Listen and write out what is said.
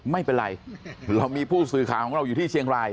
ไม่เป็นไรเรามีผู้สื่อข่าวของเราอยู่ที่เชียงราย